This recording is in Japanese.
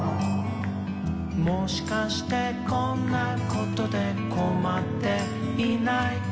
「もしかしてこんなことでこまっていない？」